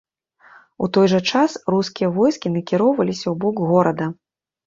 У той жа час рускія войскі накіроўваліся ў бок горада.